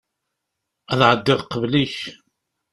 Ad εeddiɣ qbel-ik.